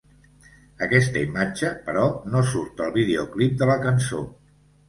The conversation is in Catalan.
Aquesta imatge; però, no surt al videoclip de la cançó.